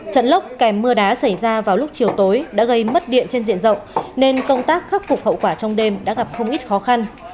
trận lốc kèm mưa đá xảy ra vào lúc chiều tối đã gây mất điện trên diện rộng nên công tác khắc phục hậu quả trong đêm đã gặp không ít khó khăn